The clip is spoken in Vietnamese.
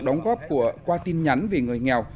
đóng góp qua tin nhắn vì người nghèo